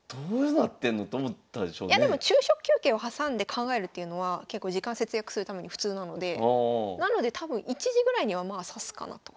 でも昼食休憩を挟んで考えるっていうのは結構時間節約するために普通なのでなので多分１時ぐらいにはまあ指すかなと。